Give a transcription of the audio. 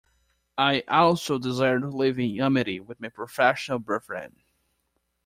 I also desire to live in amity with my professional brethren.